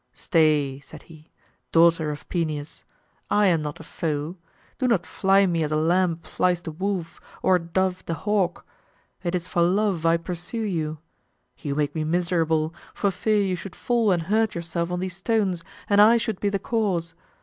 "Stay," said he, "daughter of Peneus; I am not a foe. Do not fly me as a lamb flies the wolf, or a dove the hawk. It is for love I pursue you. You make me miserable, for fear you should fall and hurt yourself on these stones, and I should be the cause.